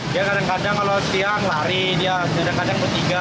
dia kadang kadang kalau siang lari dia kadang kadang bertiga